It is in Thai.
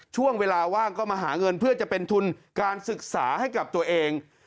ช่วงเวลาว่างก็มาหาเงินเพื่อจะเป็นทุนการศึกษาให้กับตัวเอง